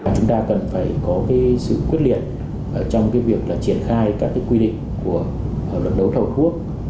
chúng ta cần phải có sự quyết liệt trong việc triển khai các quy định của luật đấu thầu quốc